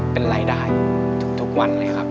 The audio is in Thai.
เป็นรายได้ทุกวันเลยครับ